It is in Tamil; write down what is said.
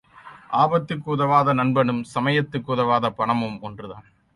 ஆபத்துக்கு உதவாத நண்பனும் சமயத்துக்கு உதவாத பணமும் ஒன்றுதான்.